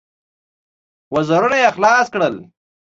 وزرونه يې خلاص کړل.